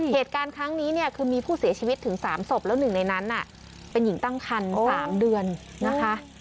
เหตุการณ์ครั้งนี้เนี่ยคือมีผู้เสียชีวิตถึง๓ศพแล้วหนึ่งในนั้นเป็นหญิงตั้งคัน๓เดือนนะคะ